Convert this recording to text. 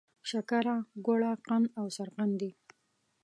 شکره، ګوړه، قند او سرقند دي.